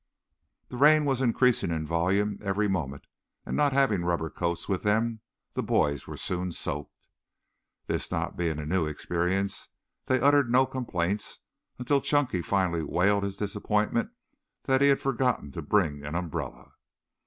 The rain was increasing in volume every moment, and not having rubber coats with them the boys were soon soaked. This not being a new experience they uttered no complaints until Chunky finally wailed his disappointment that he had forgotten to bring an umbrella.